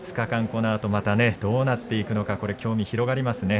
このあと、どうなっていくのか興味が広がりますね。